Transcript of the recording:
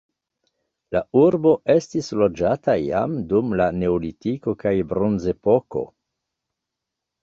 La urbo estis loĝata jam dum la neolitiko kaj bronzepoko.